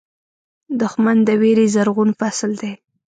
دښمن د وېرې زرغون فصل دی